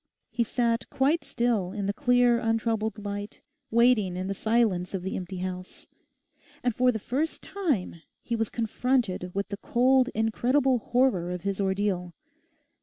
He sat quite still in the clear untroubled light, waiting in the silence of the empty house. And for the first time he was confronted with the cold incredible horror of his ordeal.